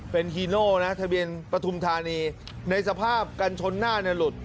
เป็นฮีโน่นะทะเบียนปฐุมธานีในสภาพกันชนหน้าเนี่ยหลุด